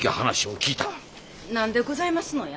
何でございますのや？